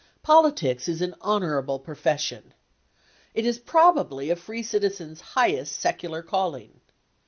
Politics is an honorable profession. It is probably a free citizen's highest secular calling.